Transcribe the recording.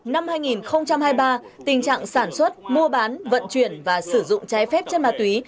năm hai nghìn hai mươi ba tình trạng sản xuất mua bán vận chuyển và sử dụng trái phép chất ma túy